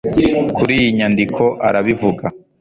Kuri iyi nyandiko arabivuga